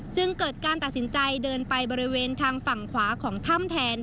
จึงเกิดการตัดสินใจเดินไปบริเวณทางฝั่งขวาของถ้ำแทน